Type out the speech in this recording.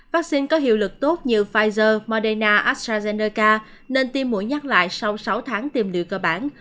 vaccine có hiệu lực tốt như pfizer moderna astrazeneca nên tiêm mũi nhắc lại sau sáu tháng tiêm liệu cơ bản